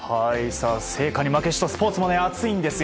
聖火に負けじとスポーツも熱いんですよ。